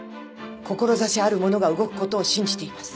志ある者が動くことを信じています。